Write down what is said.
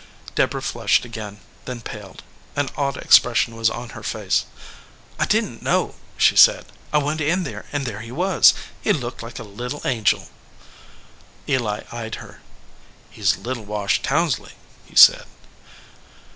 Deborah flushed again, then paled. An awed expression was on her face. "I didn t know," she said. "I went in there, and there he was. He looked like a little angel." Eli eyed her. "He s little Wash Townsley," he said.